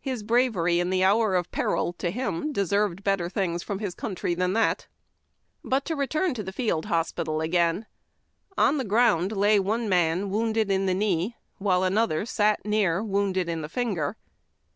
His bravery in the hour of peril — to him — deserved better things from his country than that. But to return to the field hospital again ; on the ground lay one num, wounded in the knee, while another sat near, wounded in the finger.